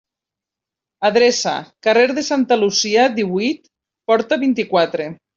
Adreça: carrer de Santa Lucia, díhuit, porta vint-i-quatre.